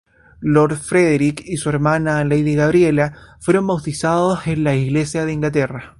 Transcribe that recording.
Lord Frederick y su hermana, Lady Gabriella, fueron bautizados en la Iglesia de Inglaterra.